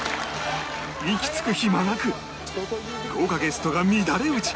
息つく暇なく豪華ゲストが乱れ打ち！